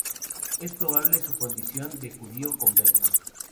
Es probable su condición de judío converso.